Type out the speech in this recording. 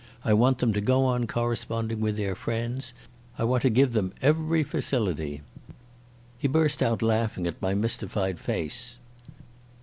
I want them to go on corresponding with their friends. I want to give them every facility." He burst out laughing at my mystified face.